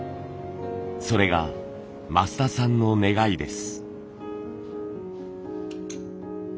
それが増田さんの願いです。